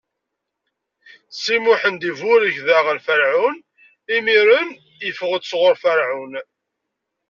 Si Mḥemmed iburek daɣen Ferɛun, imiren iffeɣ-d sɣur Ferɛun.